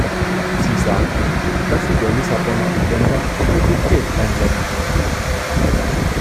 Sie sagten, dass Sie der Lissabonner Agenda Priorität einräumen wollen.